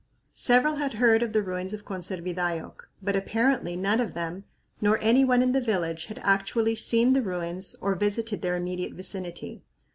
Several had heard of the ruins of Conservidayoc, but, apparently, none of them, nor any one in the village, had actually seen the ruins or visited their immediate vicinity.